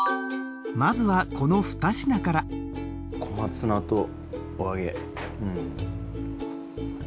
まずはこの２品から小松菜とお揚げ。